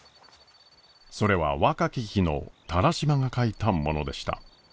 それは若き日の田良島が書いたものでした。